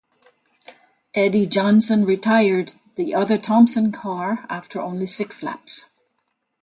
Eddie Johnson retired the other Thompson car after only six laps.